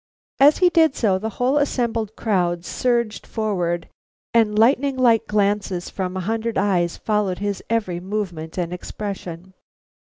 As he did so, the whole assembled crowd surged forward and lightning like glances from a hundred eyes followed his every movement and expression.